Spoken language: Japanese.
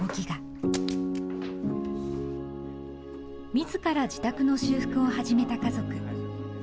自ら自宅の修復を始めた家族。